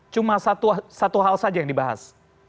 cuma satu hal saja yang dibahas